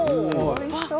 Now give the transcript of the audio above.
おいしそう。